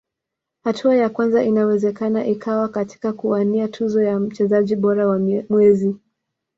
hatua ya kwanza inawezekana ikawa katika kuwania tuzo ya mchezaji bora wa mwezi